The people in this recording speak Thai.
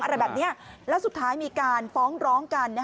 อะไรแบบนี้แล้วสุดท้ายมีการฟ้องร้องกัน